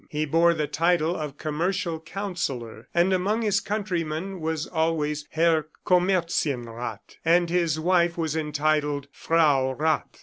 He bore the title of Commercial Counsellor, and among his countrymen was always Herr Comerzienrath and his wife was entitled Frau Rath.